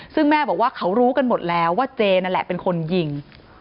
ซึ่งแม่บอกว่าเขารู้กันหมดแล้วว่าเจนั่นแหละเป็นคนยิง